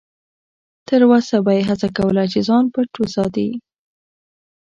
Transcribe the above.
تر وسه به یې هڅه کوله چې ځان پټ وساتي.